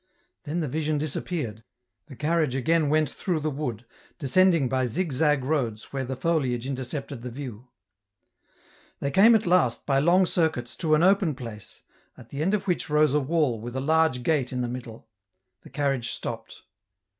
Then the vision disappeared, the carriage again went through the wood, descending by zig zag roads where the foliage intercepted the view. They came at last, by long circuits, to an open place, at the end of which rose a wall with a large gate in the middle. The carriage stopped.